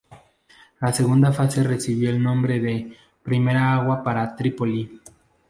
La segunda fase recibió el nombre de "Primera agua para Trípoli".